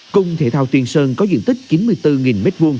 cùng thể thao tuyển sơn có diện tích chín mươi bốn m hai